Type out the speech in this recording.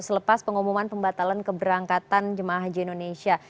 selepas pengumuman pembatalan keberangkatan jemaah haji indonesia